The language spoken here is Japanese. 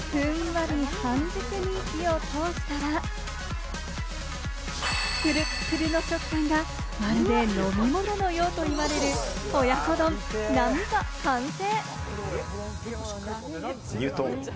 ふんわり半熟に火を通したら、プルップルの食感がまるで飲み物のようと言われる親子丼・並が完成。